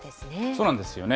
そうなんですよね。